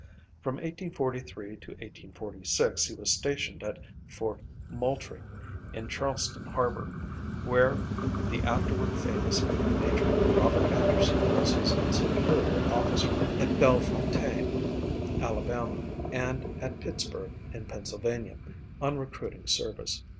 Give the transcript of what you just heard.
From 1843 to 1846 he was stationed at Fort Moultrie, in Charleston Harbor (where the afterward famous Major Robert Anderson was his superior officer), at Bellefontaine, Alabama, and at Pittsburg, in Pennsylvania, on recruiting service.